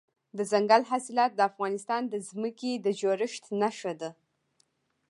دځنګل حاصلات د افغانستان د ځمکې د جوړښت نښه ده.